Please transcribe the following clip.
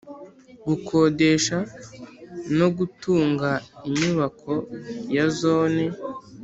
gukodesha no gutunga imyubako ya Zone